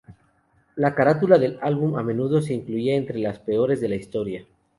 La carátula del álbum a menudo es incluida entre las peores de la historia.